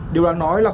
điều đáng nói là khóa